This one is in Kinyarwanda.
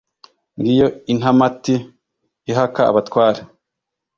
Ngiyo intamati ihaka Abatware,